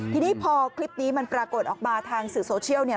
ทีนี้พอคลิปนี้มันปรากฏออกมาทางสื่อโซเชียลเนี่ย